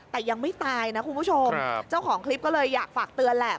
แต่ยังไม่ตายนะคุณผู้ชมเจ้าของคลิปก็เลยอยากฝากเตือนแหละ